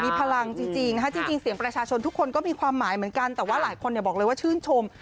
มีพลังจริงเสียงประชาชนทุกคนก็มีความหมายเหมือนกันแต่ว่าหลายคนบอกเลยว่าชื่นชม